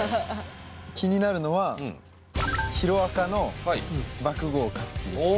気になるのは「ヒロアカ」の爆豪勝己ですね。